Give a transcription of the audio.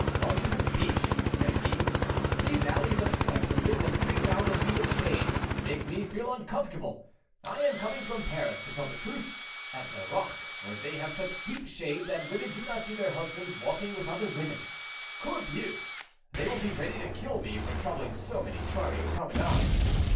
"Ventre de biche!" said he, "these alleys of cypresses, and 3,000 feet of shade, make me feel uncomfortable. I am coming from Paris to tell the truth at Nerac, where they have such deep shade, that women do not see their husbands walking with other women. Corbiou! they will be ready to kill me for troubling so many charming promenades.